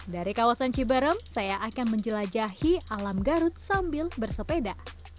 dari kawasan ciberem saya akan menjelajahi alam garut sambil bersepeda